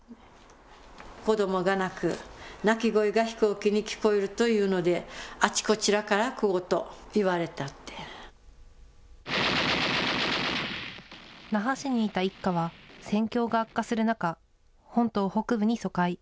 子どもが泣く、泣き声が飛行機に聞こえるというので、あちこちらから小言を言わ那覇市にいた一家は戦況が悪化する中、本島北部に疎開。